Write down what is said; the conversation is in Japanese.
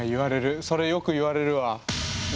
それよく言われるわ。